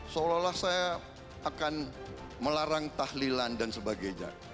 seolah olah saya akan melarang tahlilan dan sebagainya